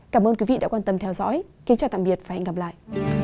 cảm ơn quý vị đã quan tâm theo dõi kính chào tạm biệt và hẹn gặp lại